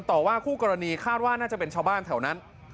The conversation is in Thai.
ต่อว่าคู่กรณีคาดว่าน่าจะเป็นชาวบ้านแถวนั้น